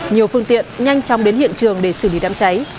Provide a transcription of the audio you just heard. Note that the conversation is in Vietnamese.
nhiều phương tiện nhanh chóng đến hiện trường để xử lý đám cháy